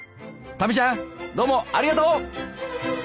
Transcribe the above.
たみちゃんどうもありがとう！